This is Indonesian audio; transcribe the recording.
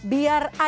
biar adil juga